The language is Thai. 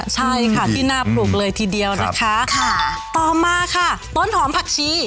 ใช่ค่ะที่น่าปลูกเลยทีเดียวนะคะค่ะต่อมาค่ะต้นหอมผักชี